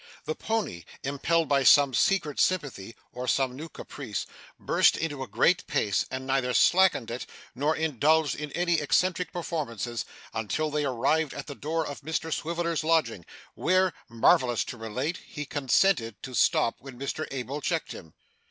The pony, impelled by some secret sympathy or some new caprice, burst into a great pace, and neither slackened it, nor indulged in any eccentric performances, until they arrived at the door of Mr Swiveller's lodging, where, marvellous to relate, he consented to stop when Mr Abel checked him.